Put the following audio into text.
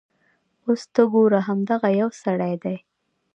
اوس ته ګوره همدغه یو سړی دی.